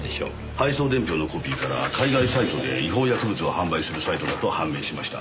配送伝票のコピーから海外サイトで違法薬物を販売するサイトだと判明しました。